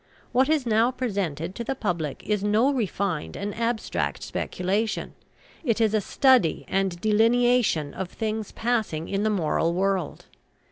What is now presented to the public is no refined and abstract speculation; it is a study and delineation of things passing in the moral world.